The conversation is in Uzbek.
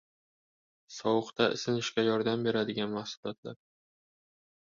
Sovuqda isinishga yordam beradigan mahsulotlar